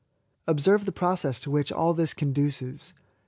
Observe the process to which all this conduces.